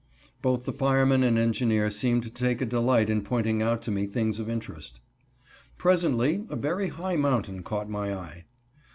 Both the fireman and engineer seemed to take a delight in pointing out to me things of interest. Presently a very high mountain caught my eye.